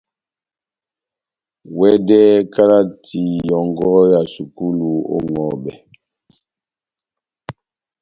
Wɛdɛhɛ kalati yɔ́ngɔ ya sukulu ó ŋʼhɔbɛ.